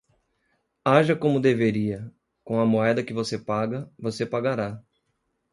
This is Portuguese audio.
Aja como deveria, com a moeda que você paga, você pagará.